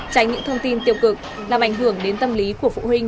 tránh những thông tin tiêu cực làm ảnh hưởng đến tâm lý của phụ huynh và học sinh